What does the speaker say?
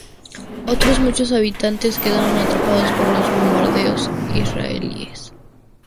Otros muchos habitantes quedaron atrapados por los bombardeos israelíes.